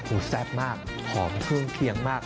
โอ้โหแซ่บมากหอมเครื่องเคียงมาก